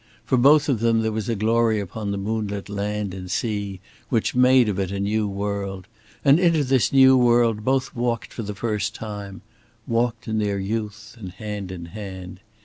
For both of them there was a glory upon the moonlit land and sea which made of it a new world. And into this new world both walked for the first time walked in their youth and hand in hand.